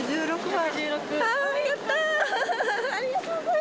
１１６番。